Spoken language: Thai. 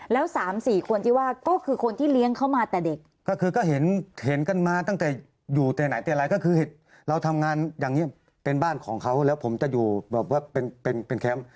แล้วสามสี่คนที่ว่าก็คือคนที่เลี้ยงเขามาแต่เด็กก็คือก็เห็นเห็นกันมาตั้งแต่อยู่แต่ไหนแต่ไรก็คือเราทำงานอย่างนี้เป็นบ้านของเขาแล้วผมจะอยู่แบบว่าเป็นเป็นแคมป์